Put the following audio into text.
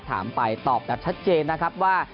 ถามไปตอบแบบชัดเจนนะครับว่า